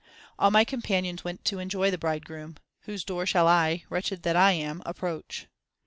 All my companions went to enjoy the Bridegroom ; whose door shall I, wretched that I am, approach